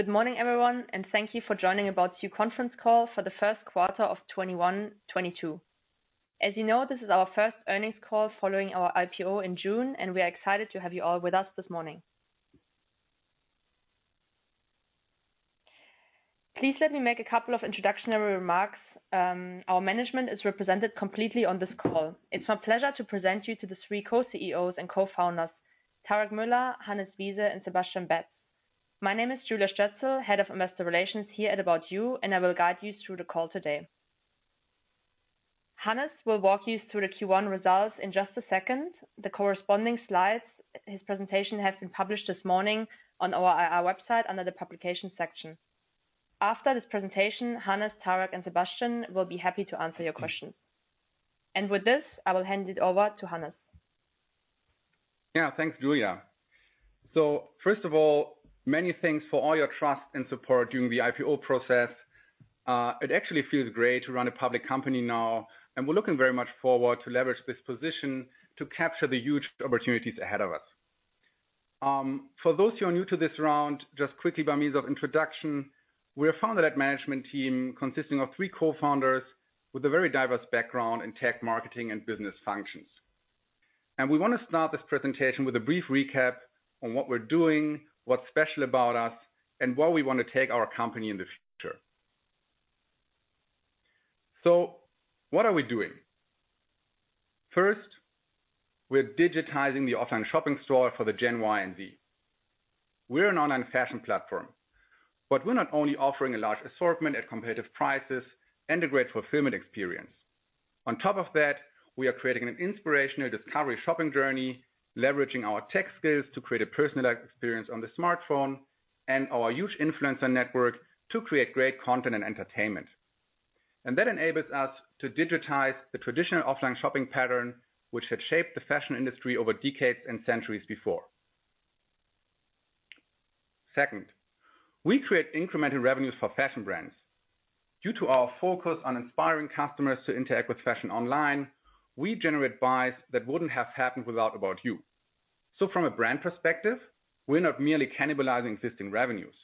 Good morning everyone, and thank you for joining About You conference call for the first quarter of 21/22. As you know, this is our first earnings call following our IPO in June, and we're excited to have you all with us this morning. Please let me make a couple of introductory remarks. Our management is represented completely on this call. It's my pleasure to present you to the three co-CEOs and co-founders, Tarek Müller, Hannes Wiese, and Sebastian Betz. My name is Julia Stötzel, Head of Investor Relations here at About You, and I will guide you through the call today. Hannes will walk you through the Q1 results in just a second. The corresponding slides, his presentation has been published this morning on our website under the publication section. After this presentation, Hannes, Tarek, and Sebastian will be happy to answer your questions. With this, I will hand it over to Hannes. Yeah. Thanks, Julia. First of all, many thanks for all your trust and support during the IPO process. It actually feels great to run a public company now, and we're looking very much forward to leverage this position to capture the huge opportunities ahead of us. For those who are new to this round, just quickly by means of introduction, we're a founder-led management team consisting of three co-founders with a very diverse background in tech marketing and business functions. We want to start this presentation with a brief recap on what we're doing, what's special about us, and where we want to take our company in the future. What are we doing? First, we're digitizing the offline shopping store for the Gen Y and Z. We're an online fashion platform, but we're not only offering a large assortment at competitive prices and a great fulfillment experience. On top of that, we are creating an inspirational discovery shopping journey, leveraging our tech skills to create a personalized experience on the smartphone and our huge influencer network to create great content and entertainment. That enables us to digitize the traditional offline shopping pattern, which had shaped the fashion industry over decades and centuries before. Second, we create incremental revenues for fashion brands. Due to our focus on inspiring customers to interact with fashion online, we generate buys that wouldn't have happened without About You. From a brand perspective, we're not merely cannibalizing existing revenues.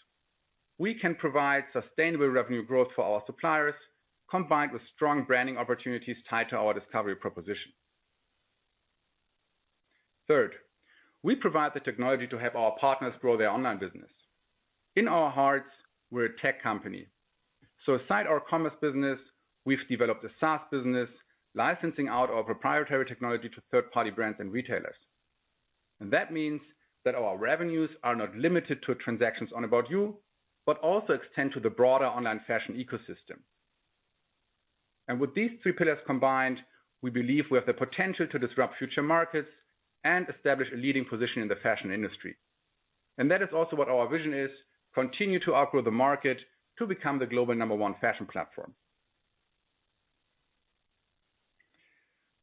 We can provide sustainable revenue growth for our suppliers, combined with strong branding opportunities tied to our discovery proposition. Third, we provide the technology to help our partners grow their online business. In our hearts, we're a tech company. Aside our commerce business, we've developed a SaaS business licensing out our proprietary technology to third-party brands and retailers. That means that our revenues are not limited to transactions on About You, but also extend to the broader online fashion ecosystem. With these three pillars combined, we believe we have the potential to disrupt future markets and establish a leading position in the fashion industry. That is also what our vision is, continue to outgrow the market to become the global number one fashion platform.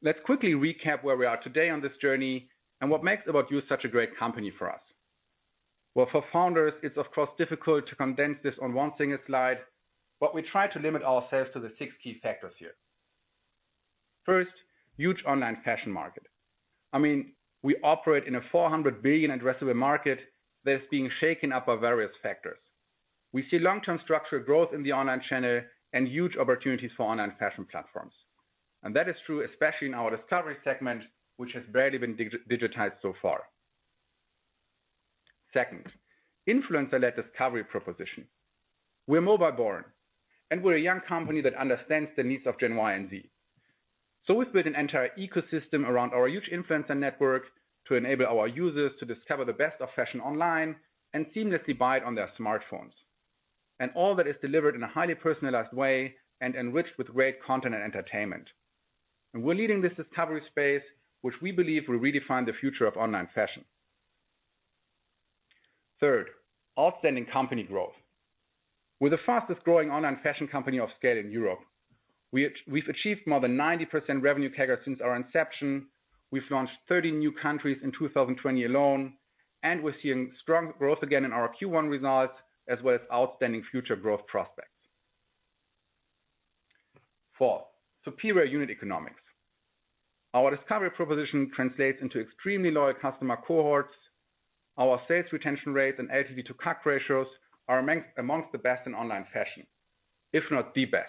Let's quickly recap where we are today on this journey and what makes About You such a great company for us. Well, for founders, it is of course difficult to condense this on one single slide, but we try to limit ourselves to the six key factors here. First, huge online fashion market. We operate in a 400 billion addressable market that is being shaken up by various factors. We see long-term structural growth in the online channel and huge opportunities for online fashion platforms. That is true, especially in our discovery segment, which has barely been digitized so far. Second, influencer-led discovery proposition. We are mobile-born, and we are a young company that understands the needs of Gen Y and Z. We have built an entire ecosystem around our huge influencer network to enable our users to discover the best of fashion online and seamlessly buy it on their smartphones. All that is delivered in a highly personalized way and enriched with great content and entertainment. We're leading this discovery space, which we believe will redefine the future of online fashion. Third, outstanding company growth. We're the fastest growing online fashion company of scale in Europe. We've achieved more than 90% revenue CAGR since our inception. We've launched 30 new countries in 2020 alone, and we're seeing strong growth again in our Q1 results, as well as outstanding future growth prospects. Four, superior unit economics. Our discovery proposition translates into extremely loyal customer cohorts. Our sales retention rates and LTV to CAC ratios are amongst the best in online fashion, if not the best.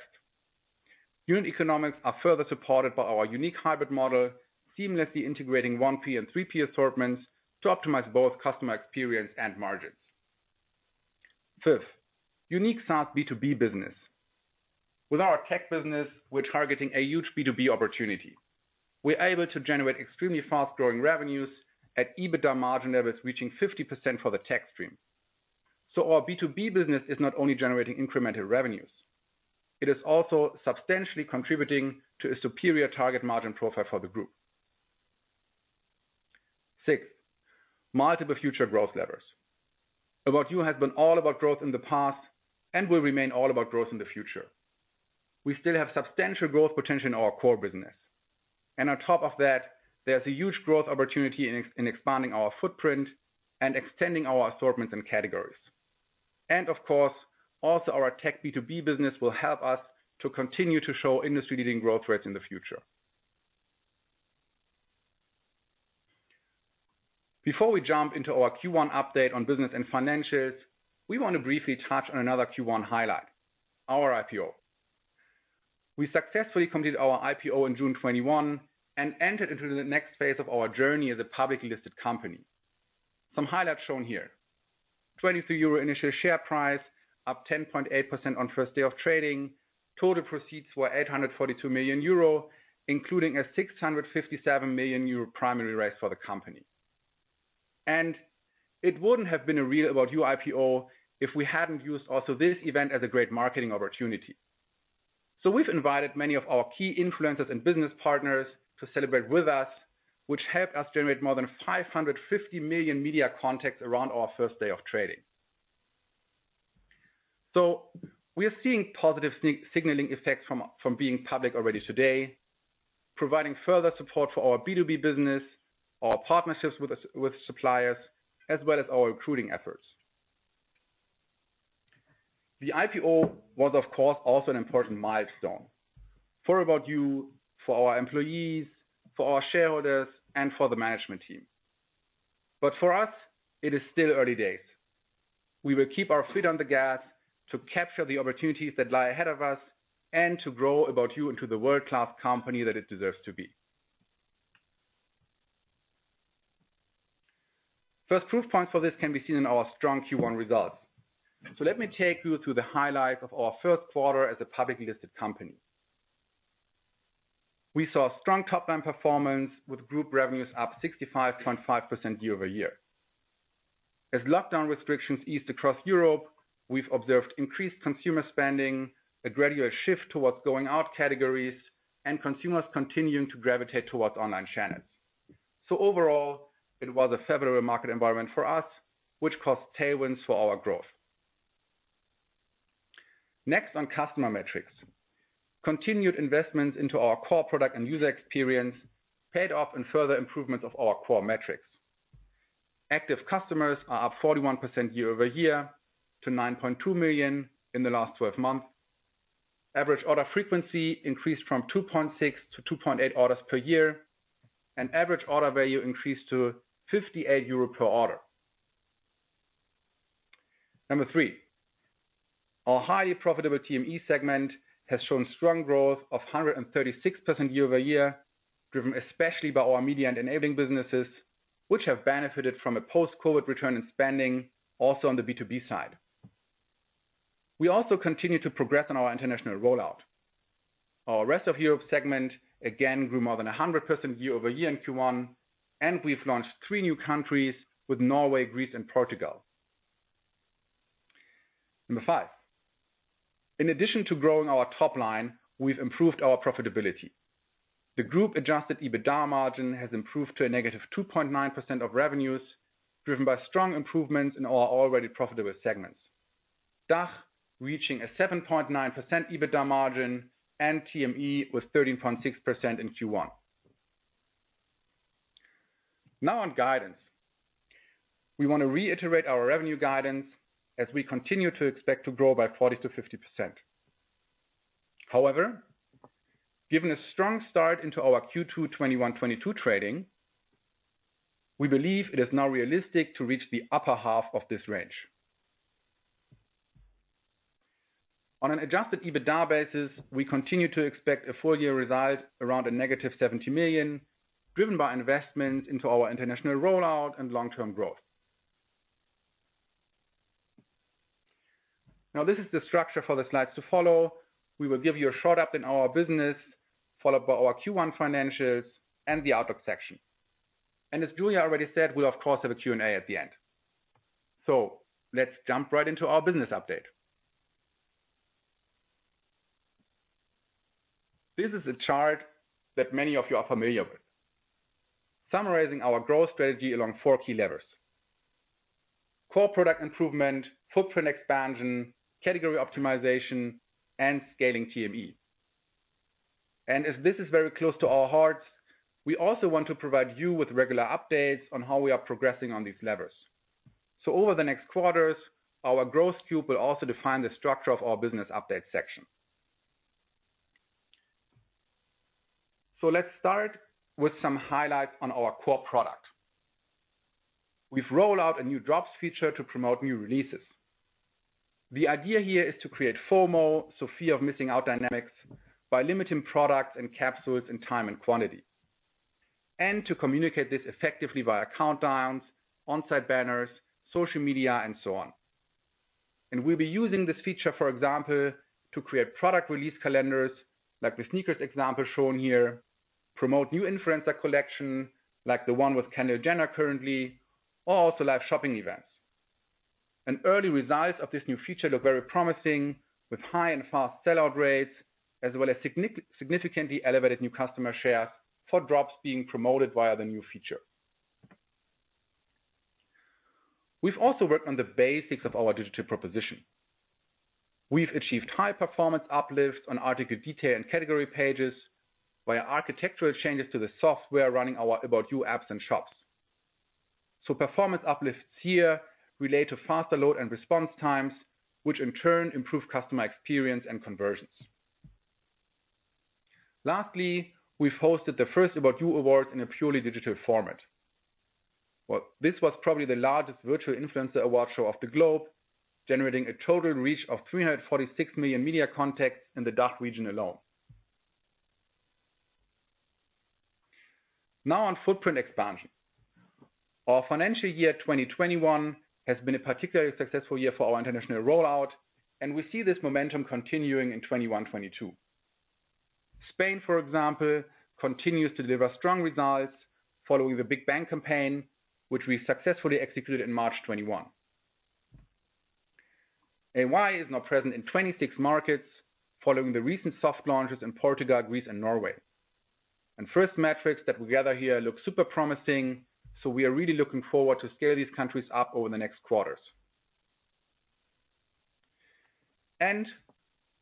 Unit economics are further supported by our unique hybrid model, seamlessly integrating 1P and 3P assortments to optimize both customer experience and margins. Fifth, unique SaaS B2B business. With our tech business, we're targeting a huge B2B opportunity. We're able to generate extremely fast-growing revenues at EBITDA margin levels reaching 50% for the tech stream. Our B2B business is not only generating incremental revenues, it is also substantially contributing to a superior target margin profile for the group. Six, multiple future growth levers. About You has been all about growth in the past and will remain all about growth in the future. We still have substantial growth potential in our core business. On top of that, there's a huge growth opportunity in expanding our footprint and extending our assortments and categories. Of course, also our tech B2B business will help us to continue to show industry-leading growth rates in the future. Before we jump into our Q1 update on business and financials, we want to briefly touch on another Q1 highlight, our IPO. We successfully completed our IPO in June 2021 and entered into the next phase of our journey as a publicly listed company. Some highlights shown here. 23 euro initial share price, up 10.8% on first day of trading. Total proceeds were 842 million euro, including a 657 million euro primary raise for the company. It wouldn't have been a real About You IPO if we hadn't used also this event as a great marketing opportunity. We've invited many of our key influencers and business partners to celebrate with us, which helped us generate more than 550 million media contacts around our first day of trading. We are seeing positive signaling effects from being public already today, providing further support for our B2B business, our partnerships with suppliers, as well as our recruiting efforts. The IPO was, of course, also an important milestone for About You, for our employees, for our shareholders, and for the management team. For us, it is still early days. We will keep our foot on the gas to capture the opportunities that lie ahead of us and to grow About You into the world-class company that it deserves to be. First proof point for this can be seen in our strong Q1 results. Let me take you through the highlights of our first quarter as a publicly listed company. We saw strong top line performance with group revenues up 65.5% year-over-year. As lockdown restrictions eased across Europe, we've observed increased consumer spending, a gradual shift towards going out categories, and consumers continuing to gravitate towards online channels. Overall, it was a favorable market environment for us, which caused tailwinds for our growth. Next on customer metrics. Continued investments into our core product and user experience paid off in further improvements of our core metrics. Active customers are up 41% year-over-year to 9.2 million in the last 12 months. Average order frequency increased from 2.6 to 2.8 orders per year, and average order value increased to 58 euro per order. Number three, our highly profitable TME segment has shown strong growth of 136% year-over-year, driven especially by our media and enabling businesses, which have benefited from a post-COVID return in spending also on the B2B side. We also continue to progress on our international rollout. Our Rest of Europe segment again grew more than 100% year-over-year in Q1, and we've launched three new countries with Norway, Greece, and Portugal. Number five. In addition to growing our top line, we've improved our profitability. The group-adjusted EBITDA margin has improved to -2.9% of revenues, driven by strong improvements in our already profitable segments. DACH reaching a 7.9% EBITDA margin and TME with 13.6% in Q1. On guidance. We want to reiterate our revenue guidance as we continue to expect to grow by 40%-50%. However, given a strong start into our Q2 21/22 trading, we believe it is now realistic to reach the upper half of this range. On an adjusted EBITDA basis, we continue to expect a full year result around -70 million, driven by investment into our international rollout and long-term growth. This is the structure for the slides to follow. We will give you a short update on our business, followed by our Q1 financials and the outlook section. As Julia Stötzel already said, we'll of course have a Q&A at the end. Let's jump right into our business update. This is a chart that many of you are familiar with, summarizing our growth strategy along four key levers: core product improvement, footprint expansion, category optimization, and scaling TME. As this is very close to our hearts, we also want to provide you with regular updates on how we are progressing on these levers. Over the next quarters, our growth cube will also define the structure of our business update section. Let's start with some highlights on our core product. We've rolled out a new drops feature to promote new releases. The idea here is to create FOMO, so fear of missing out dynamics, by limiting products and capsules in time and quantity, and to communicate this effectively via countdowns, on-site banners, social media, and so on. We'll be using this feature, for example, to create product release calendars, like the sneakers example shown here, promote new influencer collection, like the one with Kylie Jenner currently, or also live shopping events. Early results of this new feature look very promising, with high and fast sell-out rates, as well as significantly elevated new customer shares for drops being promoted via the new feature. We've also worked on the basics of our digital proposition. We've achieved high performance uplifts on article detail and category pages via architectural changes to the software running our About You apps and shops. Performance uplifts here relate to faster load and response times, which in turn improve customer experience and conversions. Lastly, we've hosted the first ABOUT YOU Awards in a purely digital format. Well, this was probably the largest virtual ABOUT YOU Awards of the globe, generating a total reach of 346 million media contacts in the DACH region alone. Now on footprint expansion. Our financial year 2021 has been a particularly successful year for our international rollout, and we see this momentum continuing in 21/22. Spain, for example, continues to deliver strong results following the Big Bang campaign, which we successfully executed in March 2021. AY is now present in 26 markets following the recent soft launches in Portugal, Greece, and Norway. First metrics that we gather here look super promising, so we are really looking forward to scale these countries up over the next quarters.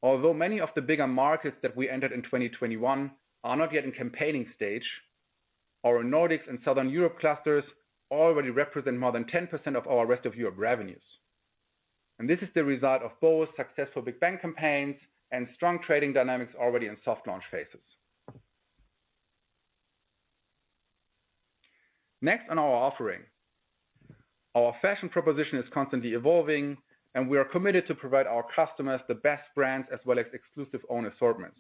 Although many of the bigger markets that we entered in 2021 are not yet in campaigning stage, our Nordics and Southern Europe clusters already represent more than 10% of our Rest of Europe revenues. This is the result of both successful Big Bang campaigns and strong trading dynamics already in soft launch phases. Next on our offering. Our fashion proposition is constantly evolving, and we are committed to provide our customers the best brands as well as exclusive own assortments.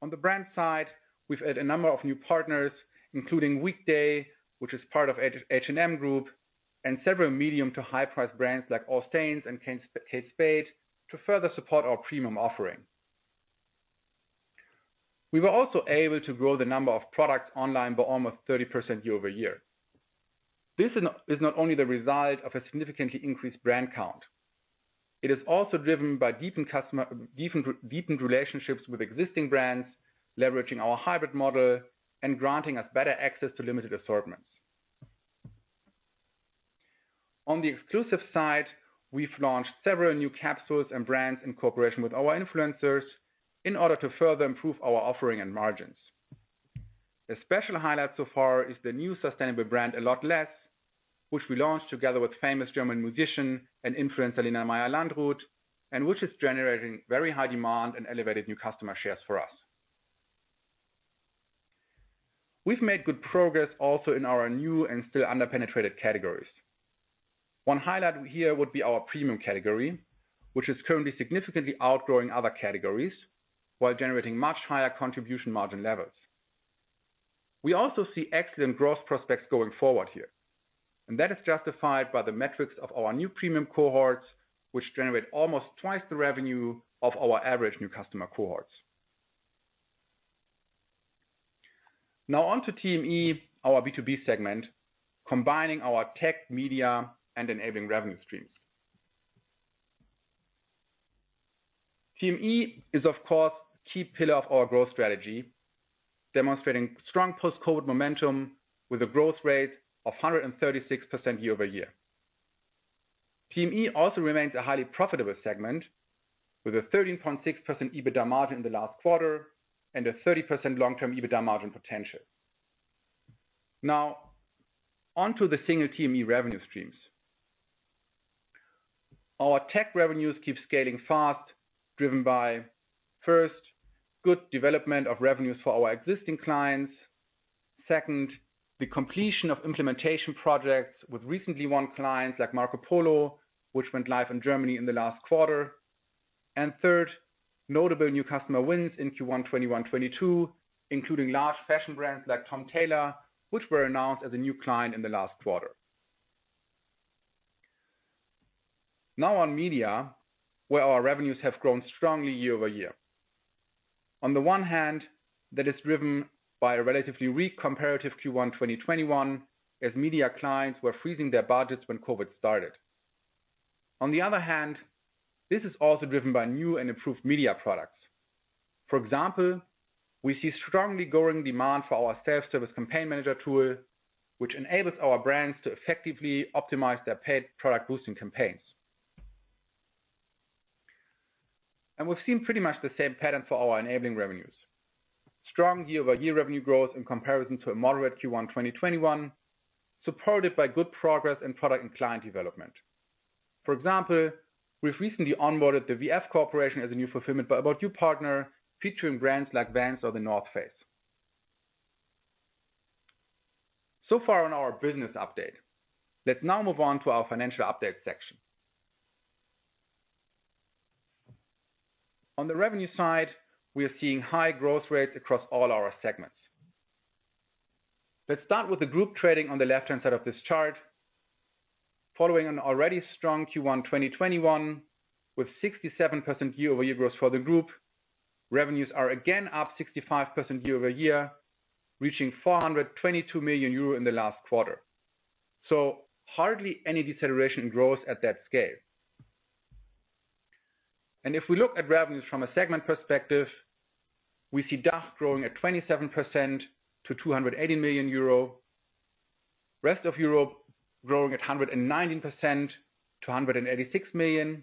On the brand side, we've added a number of new partners, including Weekday, which is part of H&M Group, and several medium to high price brands like AllSaints and kate spade to further support our premium offering. We were also able to grow the number of products online by almost 30% year-over-year. This is not only the result of a significantly increased brand count. It is also driven by deepened relationships with existing brands, leveraging our hybrid model and granting us better access to limited assortments. On the exclusive side, we've launched several new capsules and brands in cooperation with our influencers in order to further improve our offering and margins. A special highlight so far is the new sustainable brand, a lot less, which we launched together with famous German musician and influencer Lena Meyer-Landrut, and which is generating very high demand and elevated new customer shares for us. We've made good progress also in our new and still under-penetrated categories. One highlight here would be our premium category, which is currently significantly outgrowing other categories while generating much higher contribution margin levels. We also see excellent growth prospects going forward here. That is justified by the metrics of our new premium cohorts, which generate almost 2x the revenue of our average new customer cohorts. Now on to TME, our B2B segment, combining our tech media and enabling revenue streams. TME is, of course, a key pillar of our growth strategy, demonstrating strong post-COVID momentum with a growth rate of 136% year-over-year. TME also remains a highly profitable segment with a 13.6% EBITDA margin in the last quarter and a 30% long-term EBITDA margin potential. On to the single TME revenue streams. Our tech revenues keep scaling fast, drip, good development of revenues for our existing clients. Two, the completion of implementation projects with recently won clients like Marc O'Polo, which went live in Germany in the last quarter. Three, notable new customer wins in Q1 21/22, including large fashion brands like Tom Tailor, which were announced as a new client in the last quarter. On media, where our revenues have grown strongly year-over-year. On the one hand, that is driven by a relatively weak comparative Q1 2021, as media clients were freezing their budgets when COVID started. On the other hand, this is also driven by new and improved media products. For example, we see strongly growing demand for our self-service campaign manager tool, which enables our brands to effectively optimize their paid product boosting campaigns. We've seen pretty much the same pattern for our enabling revenues. Strong year-over-year revenue growth in comparison to a moderate Q1 2021, supported by good progress in product and client development. For example, we've recently onboarded the VF Corporation as a new fulfillment About You partner, featuring brands like Vans or The North Face. Far on our business update. Let's now move on to our financial update section. On the revenue side, we are seeing high growth rates across all our segments. Let's start with the group trading on the left-hand side of this chart. Following an already strong Q1 2021 with 67% year-over-year growth for the group, revenues are again up 65% year-over-year, reaching 422 million euro in the last quarter. Hardly any deceleration growth at that scale. If we look at revenues from a segment perspective, we see DACH growing at 27% to 280 million euro, Rest of Europe growing at 119% to 186 million,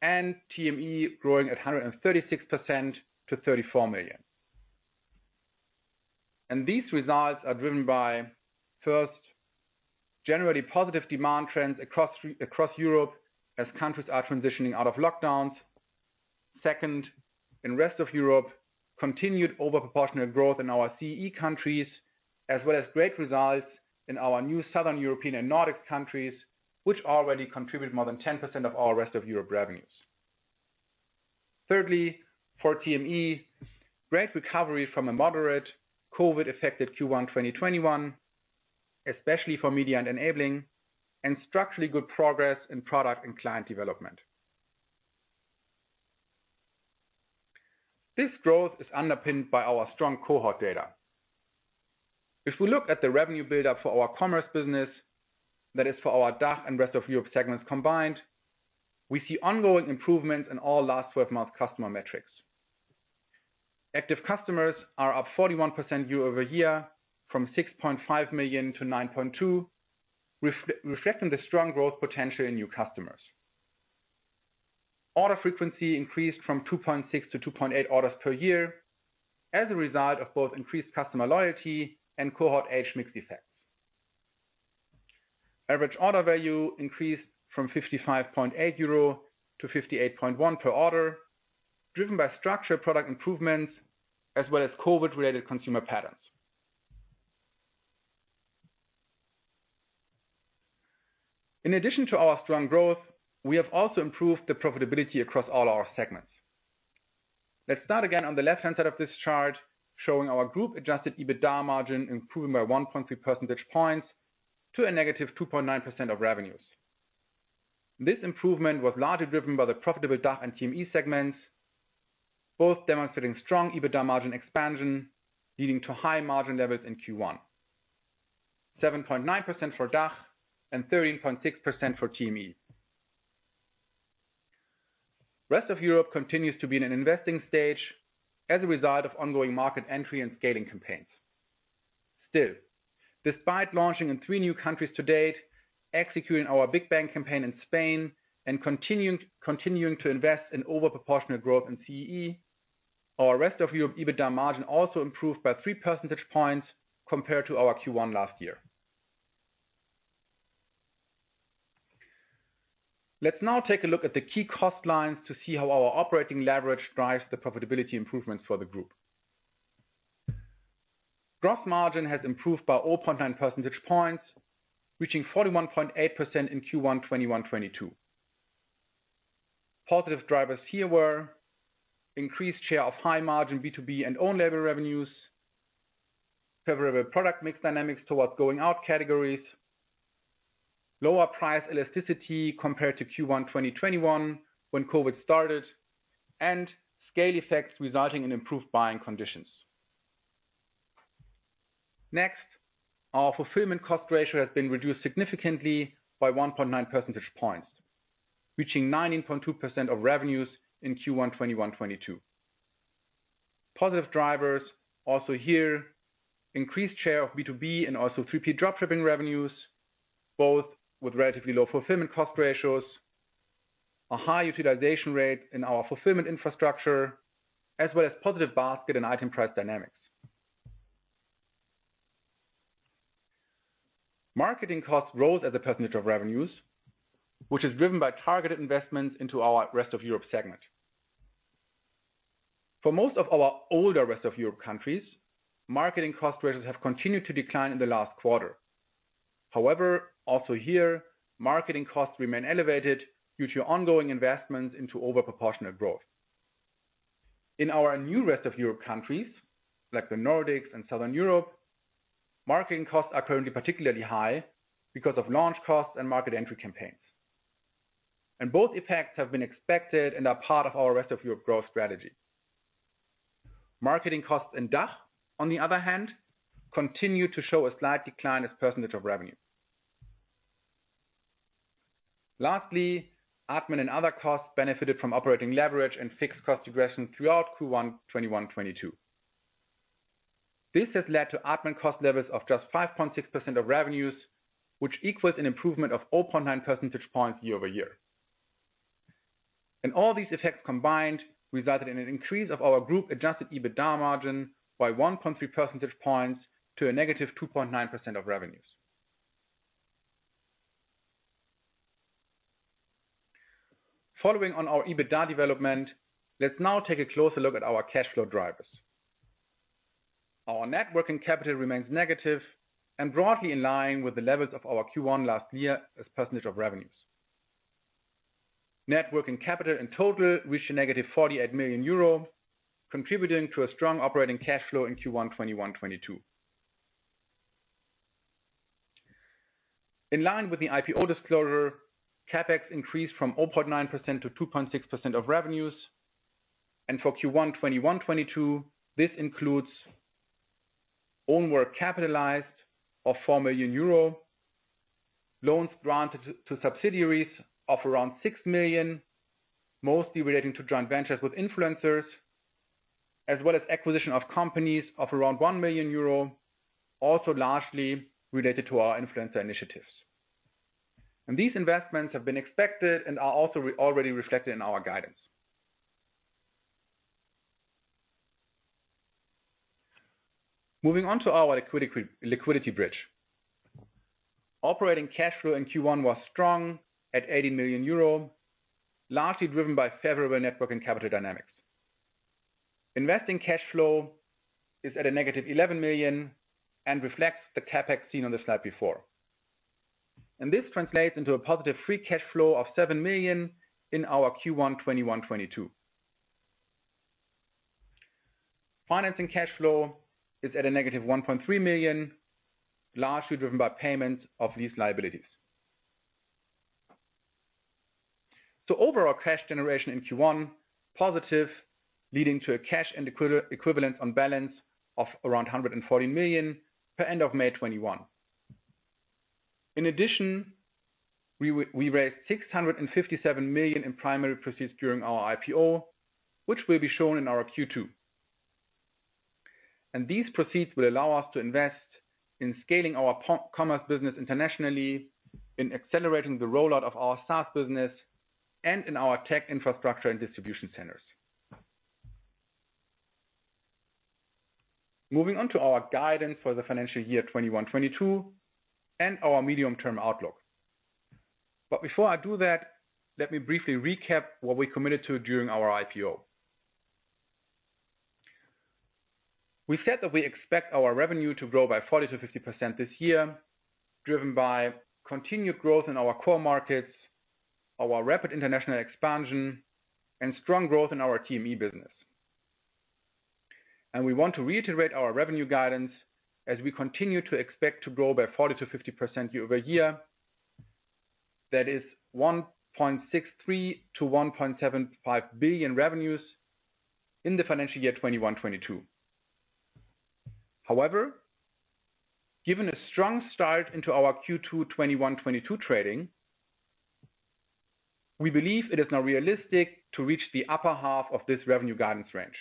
and TME growing at 136% to 34 million. These results are driven by, first, generally positive demand trends across Europe as countries are transitioning out of lockdowns. Second, in Rest of Europe, continued overproportional growth in our CEE countries, as well as great results in our new Southern European and Nordic countries, which already contribute more than 10% of all Rest of Europe revenues. Thirdly, for TME, great recovery from a moderate COVID-affected Q1 2021, especially for media and enabling, and structurally good progress in product and client development. This growth is underpinned by our strong cohort data. We look at the revenue build-up for our commerce business, that is for our DACH and Rest of Europe segments combined, we see ongoing improvements in all last 12-month customer metrics. Active customers are up 41% year-over-year from 6.5 million to 9.2 million, reflecting the strong growth potential in new customers. Order frequency increased from 2.6 to 2.8 orders per year as a result of both increased customer loyalty and cohort age mix effects. Average order value increased from 55.8 euro to 58.1 per order, driven by structural product improvements as well as COVID-related consumer patterns. In addition to our strong growth, we have also improved the profitability across all our segments. Let's start again on the left-hand side of this chart, showing our group adjusted EBITDA margin improving by 1.3 percentage points to a negative 2.9% of revenues. This improvement was largely driven by the profitable DACH and TME segments, both demonstrating strong EBITDA margin expansion, leading to high margin levels in Q1. 7.9% for DACH and 13.6% for TME. Rest of Europe continues to be in an investing stage as a result of ongoing market entry and scaling campaigns. Despite launching in three new countries to date, executing our Big Bang campaign in Spain, and continuing to invest in overproportional growth in CEE, our Rest of Europe EBITDA margin also improved by three percentage points compared to our Q1 last year. Let's now take a look at the key cost lines to see how our operating leverage drives the profitability improvements for the group. Gross margin has improved by 0.9 percentage points, reaching 41.8% in Q1 21/22. Positive drivers here were increased share of high margin B2B and own label revenues, favorable product mix dynamics towards going out categories, lower price elasticity compared to Q1 2021 when COVID started, and scale effects resulting in improved buying conditions. Next, our fulfillment cost ratio has been reduced significantly by 1.9 percentage points, reaching 19.2% of revenues in Q1 21/22. Positive drivers also here, increased share of B2B and also 3P drop shipping revenues, both with relatively low fulfillment cost ratios, a high utilization rate in our fulfillment infrastructure, as well as positive basket and item price dynamics. Marketing costs rose as a percentage of revenues, which is driven by targeted investments into our Rest of Europe segment. For most of our older Rest of Europe countries, marketing cost ratios have continued to decline in the last quarter. However, also here, marketing costs remain elevated due to ongoing investments into overproportional growth. In our new Rest of Europe countries, like the Nordics and Southern Europe, marketing costs are currently particularly high because of launch costs and market entry campaigns. Both effects have been expected and are part of our Rest of Europe growth strategy. Marketing costs in DACH, on the other hand, continue to show a slight decline as % of revenue. Lastly, admin and other costs benefited from operating leverage and fixed cost regression throughout Q1 21/22. This has led to admin cost levels of just 5.6% of revenues, which equals an improvement of 0.9 percentage points year-over-year. All these effects combined resulted in an increase of our group adjusted EBITDA margin by 1.3 percentage points to a negative 2.9% of revenues. Following on our EBITDA development, let's now take a closer look at our cash flow drivers. Our net working capital remains negative and broadly in line with the levels of our Q1 last year as percentage of revenues. Net working capital in total reached a negative 48 million euro, contributing to a strong operating cash flow in Q1 21/22. In line with the IPO disclosure, CapEx increased from 0.9% to 2.6% of revenues. For Q1 21/22, this includes own work capitalized of 4 million euro, loans granted to subsidiaries of around 6 million, mostly relating to joint ventures with influencers, as well as acquisition of companies of around 1 million euro, also largely related to our influencer initiatives. These investments have been expected and are also already reflected in our guidance. Moving on to our liquidity bridge. Operating cash flow in Q1 was strong at 80 million euro, largely driven by favorable network and capital dynamics. Investing cash flow is at a negative 11 million and reflects the CapEx seen on the slide before. This translates into a positive free cash flow of 7 million in our Q1 21/22. Financing cash flow is at a negative 1.3 million, largely driven by payment of these liabilities. Overall cash generation in Q1 positive, leading to a cash and equivalent on balance of around 140 million per end of May 2021. In addition, we raised 657 million in primary proceeds during our IPO, which will be shown in our Q2. These proceeds will allow us to invest in scaling our commerce business internationally, in accelerating the rollout of our SaaS business, and in our tech infrastructure and distribution centers. Moving on to our guidance for the financial year 2021/2022, and our medium-term outlook. Before I do that, let me briefly recap what we committed to during our IPO. We said that we expect our revenue to grow by 40%-50% this year, driven by continued growth in our core markets, our rapid international expansion, and strong growth in our TME business. We want to reiterate our revenue guidance as we continue to expect to grow by 40%-50% year-over-year. That is 1.63 billion-1.75 billion revenues in the financial year 21/22. However, given a strong start into our Q2 21/22 trading, we believe it is now realistic to reach the upper half of this revenue guidance range.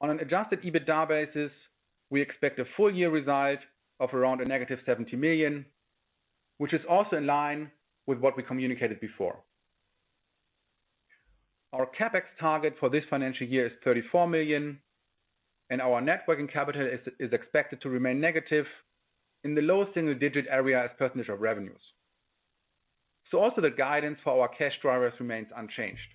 On an adjusted EBITDA basis, we expect a full-year result of around a negative 70 million, which is also in line with what we communicated before. Our CapEx target for this financial year is 34 million, and our net working capital is expected to remain negative in the lowest single-digit area as percentage of revenues. Also the guidance for our cash drivers remains unchanged.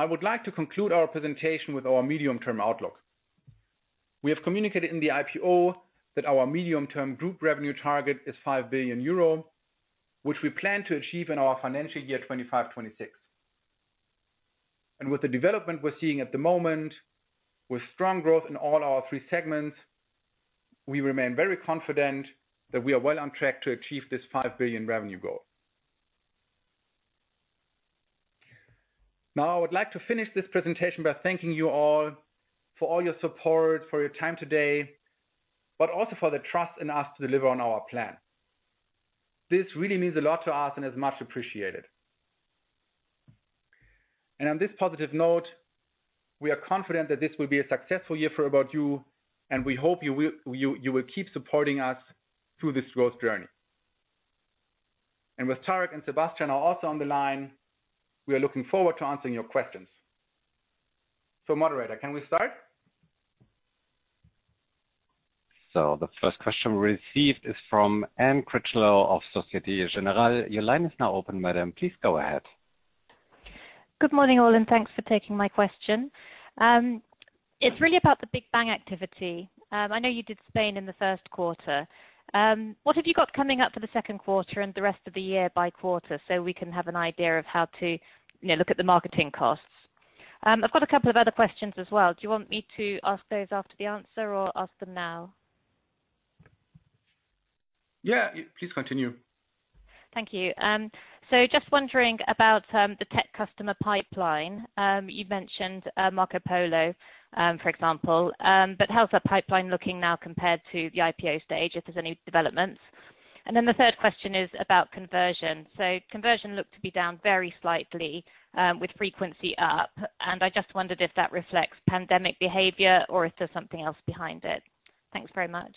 I would like to conclude our presentation with our medium-term outlook. We have communicated in the IPO that our medium-term group revenue target is 5 billion euro, which we plan to achieve in our financial year 2025/2026. With the development we're seeing at the moment, with strong growth in all our three segments, we remain very confident that we are well on track to achieve this 5 billion revenue goal. Now I would like to finish this presentation by thanking you all for all your support, for your time today, but also for the trust in us to deliver on our plan. This really means a lot to us and is much appreciated. On this positive note, we are confident that this will be a successful year for About You, and we hope you will keep supporting us through this growth journey. With Tarek and Sebastian are also on the line, we are looking forward to answering your questions. Moderator, can we start? The first question received is from Anne Critchlow of Société Générale. Your line is now open, madam. Please go ahead. Good morning, all. Thanks for taking my question. It's really about the Big Bang activity. I know you did Spain in the first quarter. What have you got coming up for the second quarter and the rest of the year by quarter so we can have an idea of how to look at the marketing costs? I've got a couple of other questions as well. Do you want me to ask those after the answer or ask them now? Yeah, please continue. Thank you. Just wondering about the tech customer pipeline. You've mentioned Marc O'Polo, for example, but how's that pipeline looking now compared to the IPO stage, if there's any developments? The third question is about conversion. Conversion looked to be down very slightly with frequency up. I just wondered if that reflects pandemic behavior or if there's something else behind it. Thanks very much.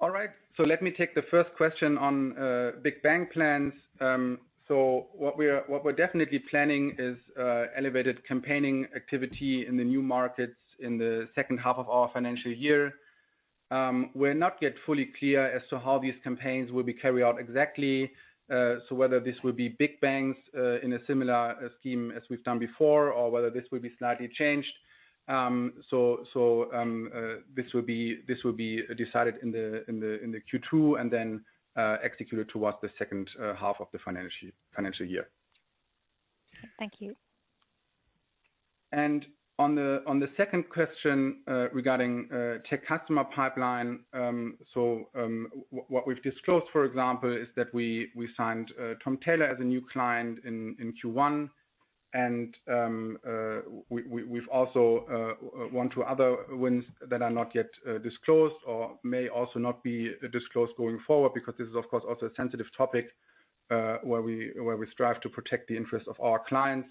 All right. Let me take the first question on Big Bang plans. What we're definitely planning is elevated campaigning activity in the new markets in the second half of our financial year. We're not yet fully clear as to how these campaigns will be carried out exactly. Whether this will be Big Bangs in a similar scheme as we've done before or whether this will be slightly changed. This will be decided in the Q2 and then executed towards the second half of the financial year. Thank you. On the second question regarding tech customer pipeline. What we've disclosed, for example, is that we signed Tom Tailor as a new client in Q1, and we've also won two other wins that are not yet disclosed or may also not be disclosed going forward, because this is, of course, also a sensitive topic where we strive to protect the interests of our clients.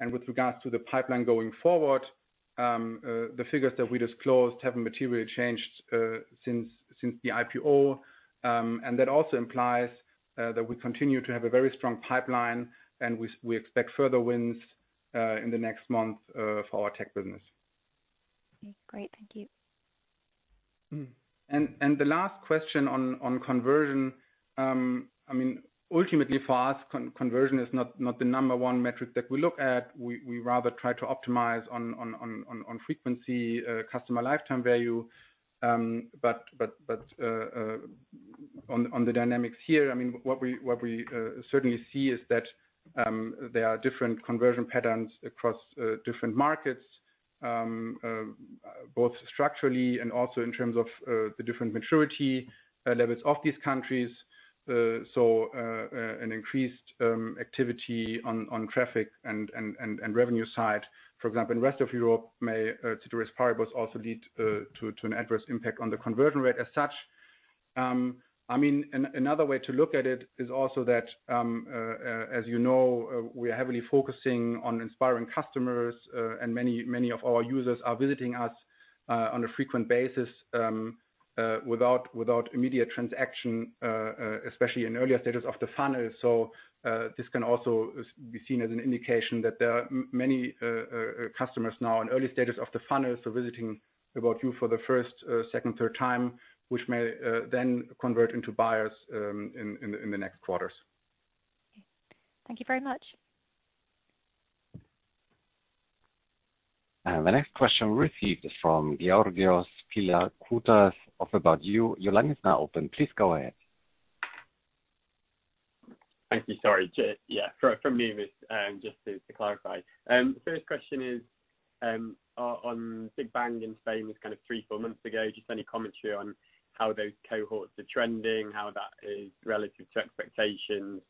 With regards to the pipeline going forward, the figures that we disclosed haven't materially changed since the IPO. That also implies that we continue to have a very strong pipeline, and we expect further wins in the next month for our tech business. Okay, great. Thank you. The last question on conversion, ultimately for us, conversion is not the number 1 metric that we look at. We rather try to optimize on frequency, Customer Lifetime Value. On the dynamics here, what we certainly see is that there are different conversion patterns across different markets, both structurally and also in terms of the different maturity levels of these countries. An increased activity on traffic and revenue side, for example, in the Rest of Europe may, to the risk part, both also lead to an adverse impact on the conversion rate as such. Another way to look at it is also that as you know, we are heavily focusing on inspiring customers, and many of our users are visiting us on a frequent basis without immediate transaction, especially in earlier stages of the funnel. This can also be seen as an indication that there are many customers now in early stages of the funnel, so visiting About You for the first, second, third time, which may then convert into buyers in the next quarters. Okay. Thank you very much. The next question received from Georgios Pilakoutas of About You. Your line is now open. Please go ahead. Thank you. Sorry. Yeah, from Numis. Just to clarify, the first question is on Big Bang in Spain was kind of three, four months ago. Just any commentary on how those cohorts are trending, how that is relative to expectations,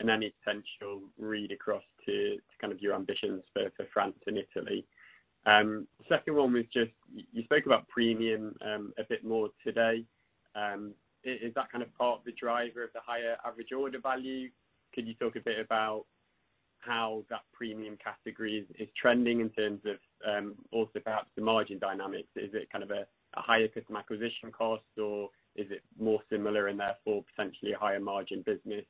and any potential read across to kind of your ambitions for France and Italy. Second one was just you spoke about premium a bit more today. Is that kind of part of the driver of the higher average order value? Could you talk a bit about how that premium category is trending in terms of also perhaps the margin dynamics? Is it kind of a higher customer acquisition cost, or is it more similar and therefore potentially a higher margin business?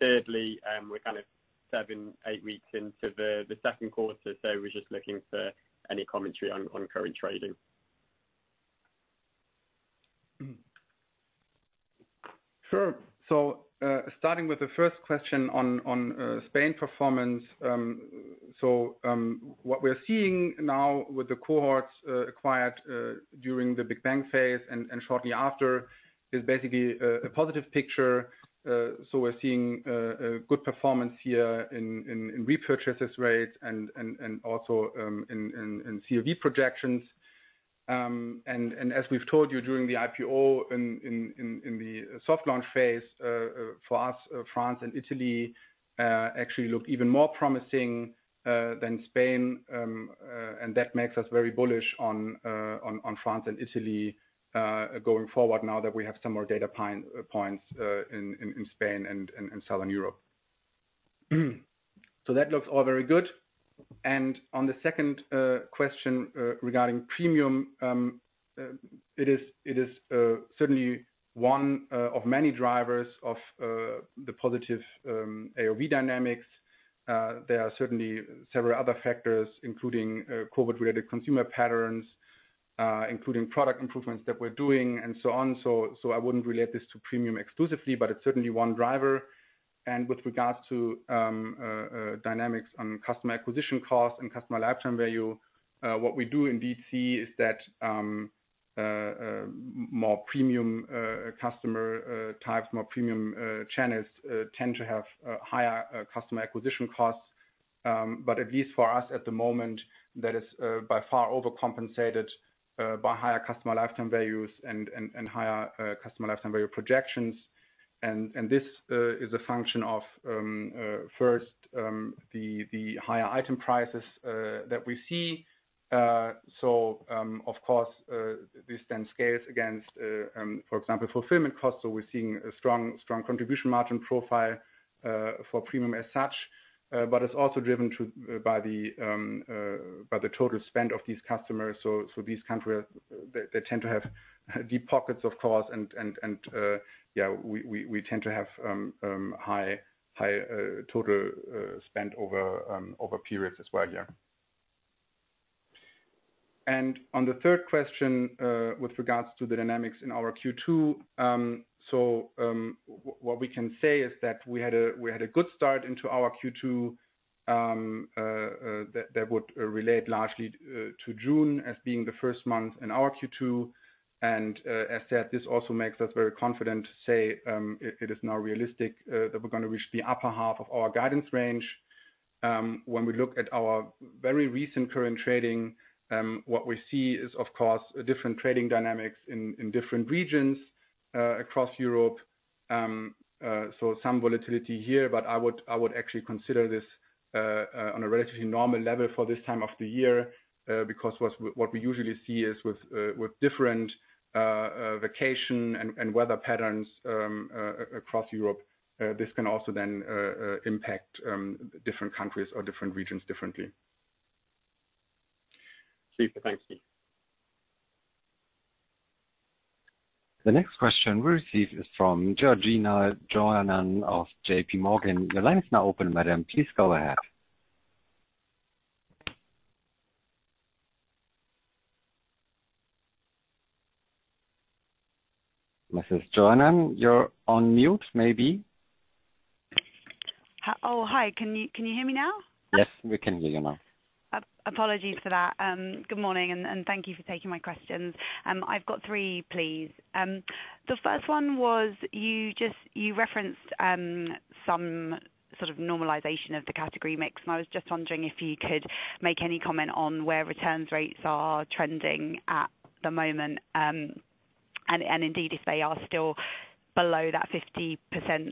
Thirdly, we're kind of seven, eight weeks into the second quarter, so we're just looking for any commentary on current trading. Sure. Starting with the first question on Spain performance. What we're seeing now with the cohorts acquired during the Big Bang phase and shortly after, is basically a positive picture. We're seeing a good performance here in repurchases rate and also in CLV projections. As we've told you during the IPO in the soft launch phase, for us, France and Italy actually look even more promising than Spain. That makes us very bullish on France and Italy going forward now that we have some more data points in Spain and Southern Europe. That looks all very good. On the second question regarding premium, it is certainly one of many drivers of the positive AOV dynamics. There are certainly several other factors, including COVID-related consumer patterns, including product improvements that we're doing, and so on. I wouldn't relate this to premium exclusively, but it's certainly one driver. With regards to dynamics on customer acquisition costs and customer lifetime value, what we do indeed see is that more premium customer types, more premium channels tend to have higher customer acquisition costs. At least for us at the moment, that is by far overcompensated by higher customer lifetime values and higher customer lifetime value projections. This is a function of first, the higher item prices that we see. Of course, this then scales against, for example, fulfillment costs. We're seeing a strong contribution margin profile for premium as such. It's also driven by the total spend of these customers. These countries, they tend to have deep pockets, of course, and we tend to have high total spend over periods as well, yeah. On the third question with regards to the dynamics in our Q2. What we can say is that we had a good start into our Q2 that would relate largely to June as being the first month in our Q2. As said, this also makes us very confident to say it is now realistic that we're going to reach the upper half of our guidance range. When we look at our very recent current trading, what we see is, of course, different trading dynamics in different regions across Europe. Some volatility here, but I would actually consider this on a relatively normal level for this time of the year because what we usually see is with different vacation and weather patterns across Europe, this can also then impact different countries or different regions differently. Super. Thanks, Keith. The next question we received is from Georgina Johanan of JPMorgan. Your line is now open, madam. Please go ahead. Mrs. Johanan, you're on mute, maybe. Oh, hi. Can you hear me now? Yes, we can hear you now. Apologies for that. Good morning, and thank you for taking my questions. I've got three, please. The first one was, you referenced some sort of normalization of the category mix. I was just wondering if you could make any comment on where returns rates are trending at the moment. Indeed, if they are still below that 50%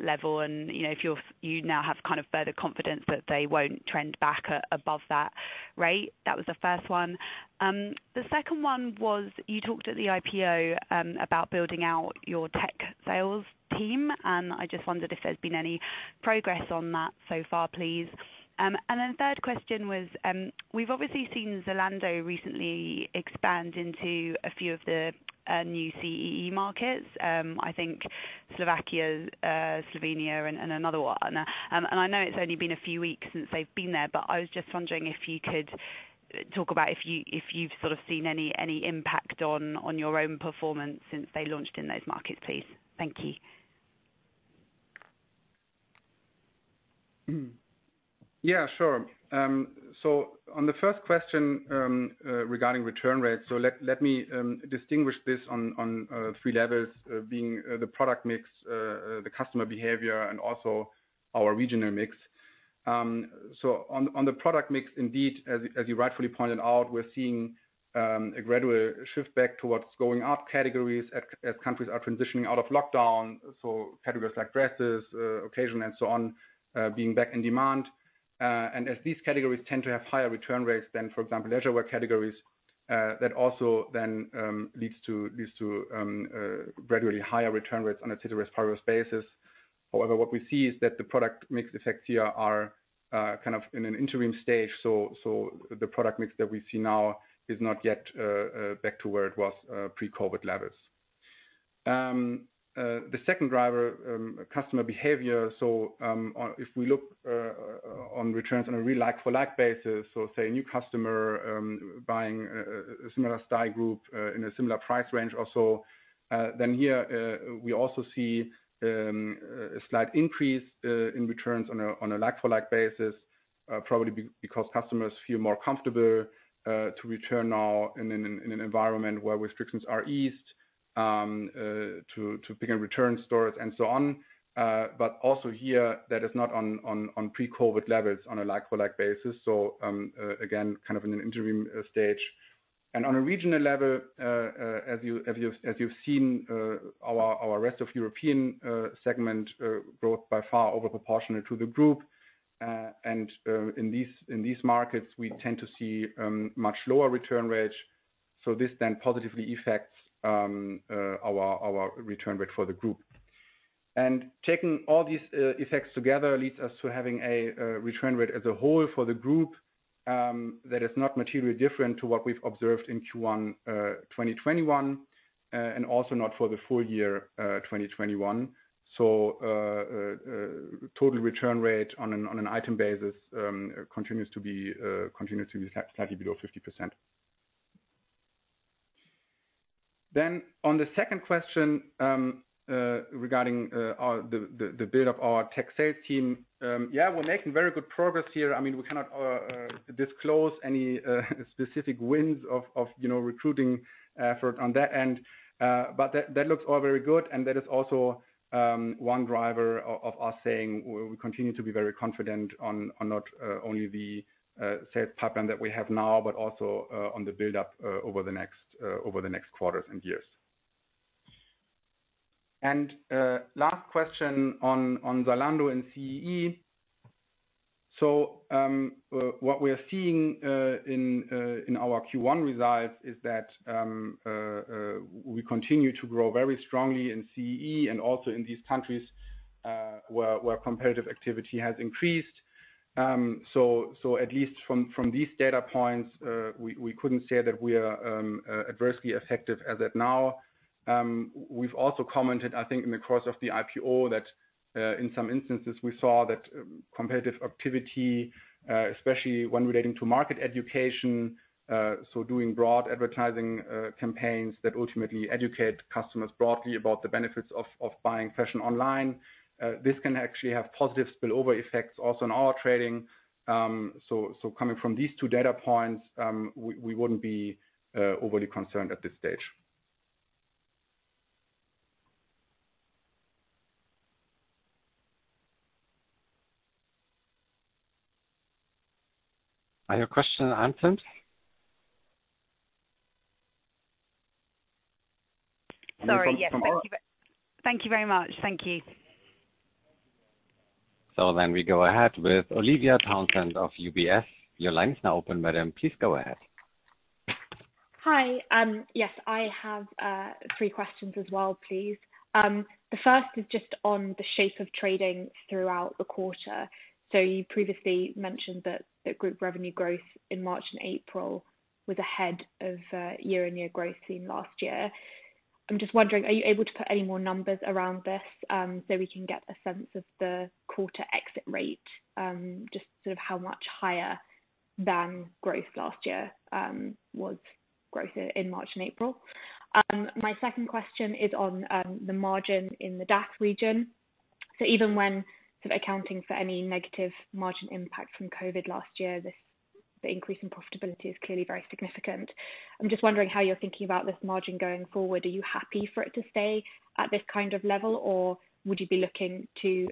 level, if you now have kind of further confidence that they won't trend back above that rate. That was the first one. The second one was, you talked at the IPO about building out your tech sales team. I just wondered if there's been any progress on that so far, please. The third question was, we've obviously seen Zalando recently expand into a few of the new CEE markets. I think Slovakia, Slovenia, and another 1. I know it's only been a few weeks since they've been there, but I was just wondering if you could talk about if you've sort of seen any impact on your own performance since they launched in those markets, please. Thank you. Yeah, sure. On the first question regarding return rates, let me distinguish this on three levels being the product mix, the customer behavior, and also our regional mix. On the product mix, indeed, as you rightfully pointed out, we're seeing a gradual shift back towards going up categories as countries are transitioning out of lockdown. Categories like dresses, occasion and so on, being back in demand. As these categories tend to have higher return rates than, for example, leisure wear categories, that also then leads to gradually higher return rates on a ceteris paribus basis. However, what we see is that the product mix effects here are kind of in an interim stage. The product mix that we see now is not yet back to where it was pre-COVID levels. The second driver, customer behavior. If we look on returns on a real like for like basis, say a new customer buying a similar style group in a similar price range also, then here we also see a slight increase in returns on a like for like basis. Probably because customers feel more comfortable to return now in an environment where restrictions are eased to begin return stores and so on. Also here that is not on pre-COVID levels on a like for like basis. Again, kind of in an interim stage. On a regional level, as you've seen our Rest of Europe segment growth by far over proportionate to the group. In these markets, we tend to see much lower return rates. This then positively affects our return rate for the group. Taking all these effects together leads us to having a return rate as a whole for the group, that is not materially different to what we've observed in Q1 2021, and also not for the full year 2021. Total return rate on an item basis continues to be slightly below 50%. On the second question, regarding the build up our tech sales team. Yeah, we're making very good progress here. We cannot disclose any specific wins of recruiting effort on that end. That looks all very good and that is also one driver of us saying we continue to be very confident on not only the sales pipeline that we have now, but also on the buildup over the next quarters and years. Last question on Zalando and CEE. What we are seeing in our Q1 results is that we continue to grow very strongly in CEE and also in these countries, where competitive activity has increased. At least from these data points, we couldn't say that we are adversely affected as at now. We've also commented, I think, in the course of the IPO, that in some instances we saw that competitive activity, especially when relating to market education. Doing broad advertising campaigns that ultimately educate customers broadly about the benefits of buying fashion online, this can actually have positive spillover effects also on our trading. Coming from these two data points, we wouldn't be overly concerned at this stage. Are your questions answered? Sorry. Yes. Thank you very much. Thank you. We go ahead with Olivia Townsend of UBS. Your line is now open, madam. Please go ahead. Hi. Yes, I have three questions as well, please. The first is just on the shape of trading throughout the quarter. You previously mentioned that group revenue growth in March and April was ahead of year-on-year growth seen last year. I'm just wondering, are you able to put any more numbers around this so we can get a sense of the quarter exit rate? Just sort of how much higher than growth last year was growth in March and April. My second question is on the margin in the DACH region. Even when accounting for any negative margin impact from COVID last year, the increase in profitability is clearly very significant. I'm just wondering how you're thinking about this margin going forward. Are you happy for it to stay at this kind of level, or would you be looking to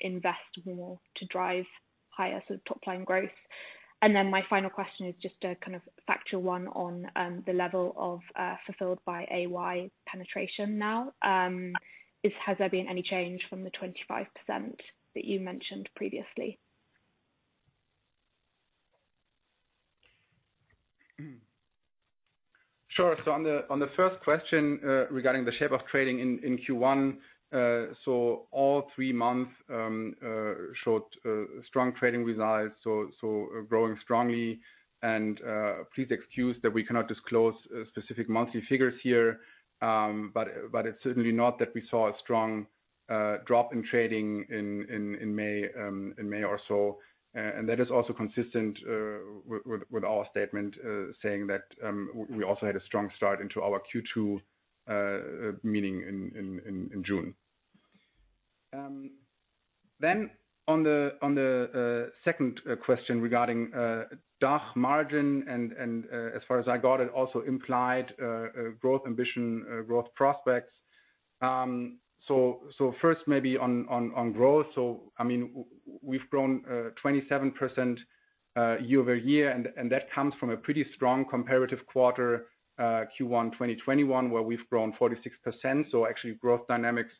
invest more to drive higher sort of top-line growth? Then my final question is just a kind of factual one on the level of fulfilled by AY penetration now. Has there been any change from the 25% that you mentioned previously? Sure. On the first question regarding the shape of trading in Q1, all three months showed strong trading results, so growing strongly. Please excuse that we cannot disclose specific monthly figures here, but it's certainly not that we saw a strong drop in trading in May or so. That is also consistent with our statement saying that we also had a strong start into our Q2, meaning in June. On the second question regarding DACH margin and as far as I got it, also implied growth ambition, growth prospects. First maybe on growth. We've grown 27% year-over-year, and that comes from a pretty strong comparative quarter Q1 2021, where we've grown 46%. Actually growth dynamics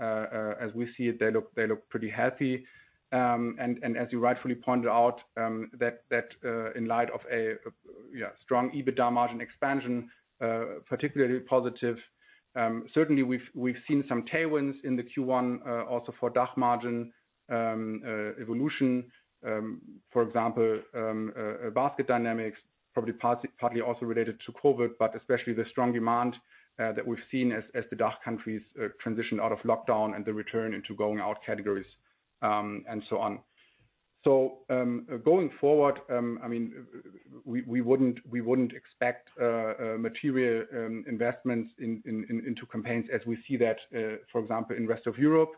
as we see it, they look pretty healthy, as you rightfully pointed out, that in light of a strong EBITDA margin expansion, particularly positive. Certainly we've seen some tailwinds in the Q1 also for DACH margin evolution. For example, basket dynamics probably partly also related to COVID, but especially the strong demand that we've seen as the DACH countries transition out of lockdown and the return into going out categories, and so on. Going forward, we wouldn't expect material investments into campaigns as we see that, for example, in Rest of Europe.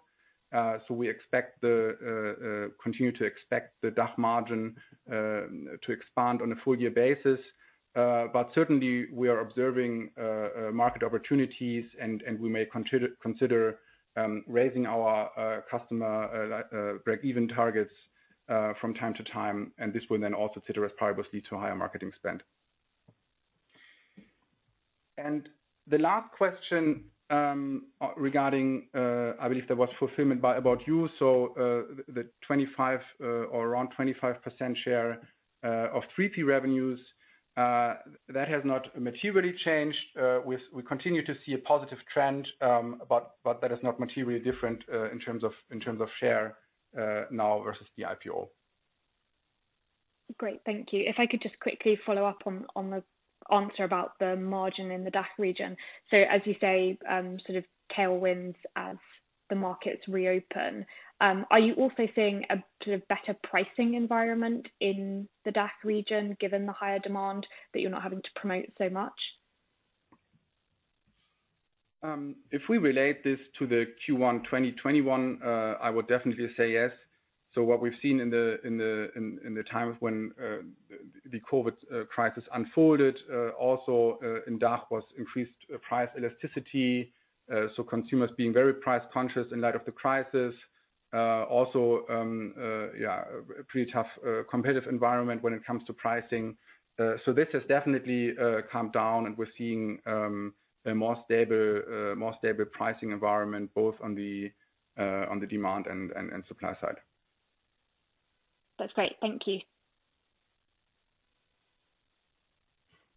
We continue to expect the DACH margin to expand on a full year basis. Certainly we are observing market opportunities and we may consider raising our customer break even targets from time to time. This will then also sit as probably will lead to higher marketing spend. The last question regarding, I believe that was fulfillment by About You. The 25 or around 25% share of 3P revenues, that has not materially changed. We continue to see a positive trend, that is not materially different in terms of share now versus the IPO. Great. Thank you. If I could just quickly follow up on the answer about the margin in the DACH region. As you say, sort of tailwinds as the markets reopen. Are you also seeing a sort of better pricing environment in the DACH region, given the higher demand that you're not having to promote so much? If we relate this to the Q1 2021, I would definitely say yes. What we've seen in the time of when the COVID crisis unfolded, also in DACH was increased price elasticity. Consumers being very price conscious in light of the crisis. Also, a pretty tough competitive environment when it comes to pricing. This has definitely calmed down and we're seeing a more stable pricing environment both on the demand and supply side. That's great. Thank you.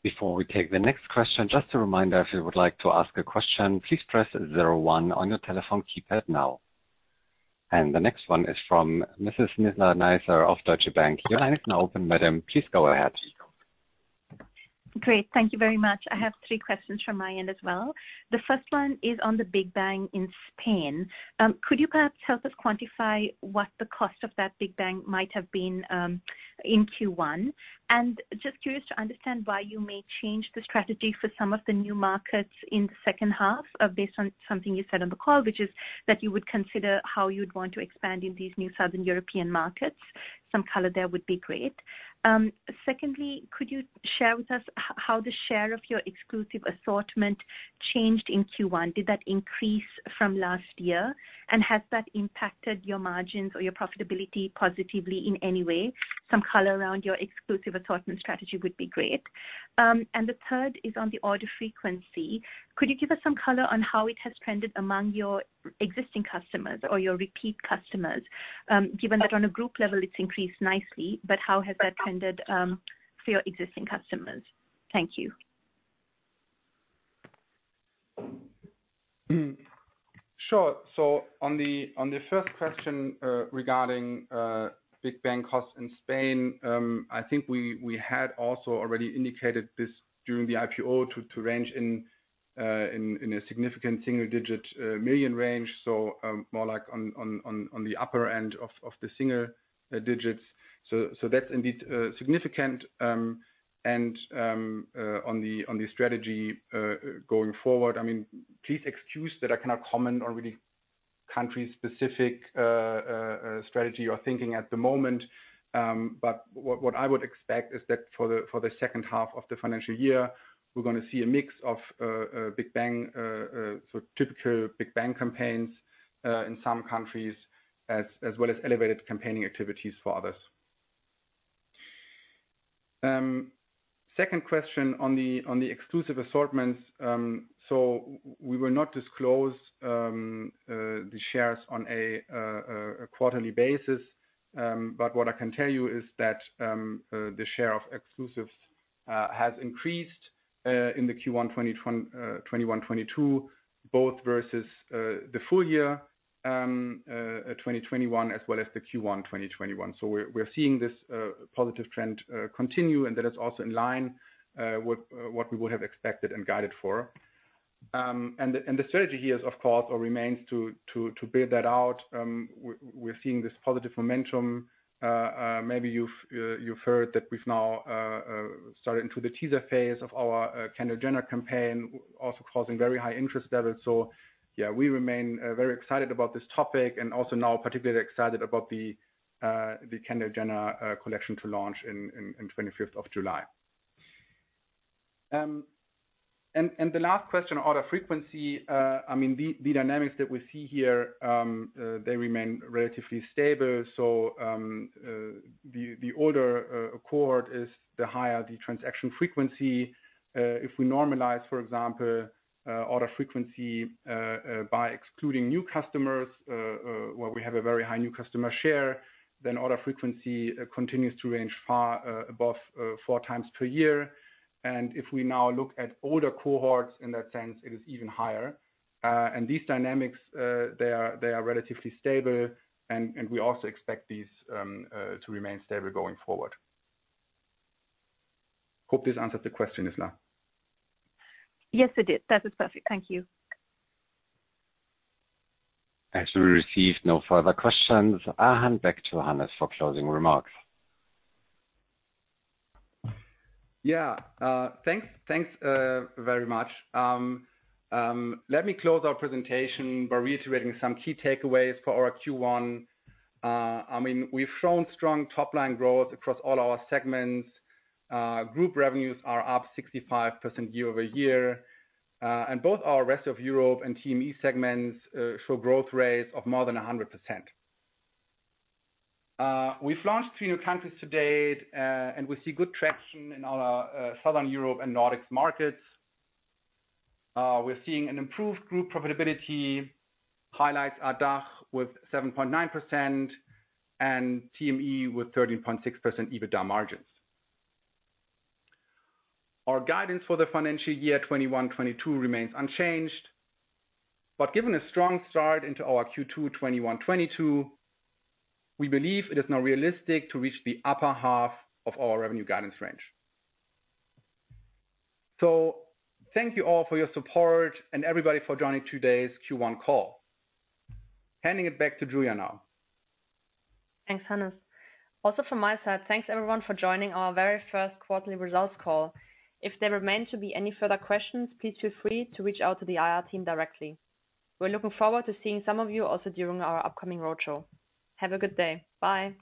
Before we take the next question, just a reminder, if you would like to ask a question, please press 01 on your telephone keypad now. The next one is from Mrs. Nizla Naizer of Deutsche Bank. Your line is now open, madam. Please go ahead. Great. Thank you very much. I have three questions from my end as well. The first one is on the Big Bang in Spain. Could you perhaps help us quantify what the cost of that Big Bang might have been in Q1? Just curious to understand why you may change the strategy for some of the new markets in the second half based on something you said on the call, which is that you would consider how you'd want to expand in these new Southern European markets. Some color there would be great. Secondly, could you share with us how the share of your exclusive assortment changed in Q1? Did that increase from last year? Has that impacted your margins or your profitability positively in any way? Some color around your exclusive assortment strategy would be great. The third is on the order frequency. Could you give us some color on how it has trended among your existing customers or your repeat customers? Given that on a group level it's increased nicely, but how has that trended for your existing customers? Thank you. Sure. On the first question regarding Big Bang costs in Spain, I think we had also already indicated this during the IPO to range in a significant EUR single-digit million range. More like on the upper end of the single digits. That's indeed significant. On the strategy going forward, please excuse that I cannot comment on really country-specific strategy or thinking at the moment. What I would expect is that for the second half of the financial year, we're going to see a mix of typical Big Bang campaigns in some countries, as well as elevated campaigning activities for others. Second question on the exclusive assortments. We will not disclose the shares on a quarterly basis. What I can tell you is that the share of exclusives has increased in the Q1 21/22, both versus the full year 2021 as well as the Q1 2021. We're seeing this positive trend continue, and that is also in line with what we would have expected and guided for. The strategy here is, of course, or remains to build that out. We're seeing this positive momentum. Maybe you've heard that we've now started into the teaser phase of our Kendall Jenner campaign, also causing very high interest levels. Yeah, we remain very excited about this topic and also now particularly excited about the Kendall Jenner collection to launch in 25th of July. The last question, order frequency. The dynamics that we see here, they remain relatively stable. The older cohort is the higher the transaction frequency. If we normalize, for example, order frequency by excluding new customers, where we have a very high new customer share, then order frequency continues to range far above four times per year. If we now look at older cohorts in that sense, it is even higher. These dynamics, they are relatively stable, and we also expect these to remain stable going forward. Hope this answers the question, Nizla Naizer. Yes, it did. That is perfect. Thank you. As we receive no further questions, I hand back to Hannes for closing remarks. Yeah. Thanks very much. Let me close our presentation by reiterating some key takeaways for our Q1. We’ve shown strong top-line growth across all our segments. Group revenues are up 65% year-over-year. Both our Rest of Europe and TME segments show growth rates of more than 100%. We’ve launched three new countries to date, and we see good traction in our Southern Europe and Nordics markets. We’re seeing an improved group profitability. Highlights are DACH with 7.9% and TME with 13.6% EBITDA margins. Our guidance for the financial year 2021/2022 remains unchanged. Given a strong start into our Q2 2021/2022, we believe it is now realistic to reach the upper half of our revenue guidance range. Thank you all for your support and everybody for joining today’s Q1 call. Handing it back to Julia now. Thanks, Hannes. Also from my side, thanks, everyone, for joining our very first quarterly results call. If there remain to be any further questions, please feel free to reach out to the IR team directly. We're looking forward to seeing some of you also during our upcoming roadshow. Have a good day. Bye.